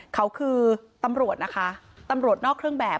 เขาคือตำรวจนะคะตำรวจนอกเครื่องแบบ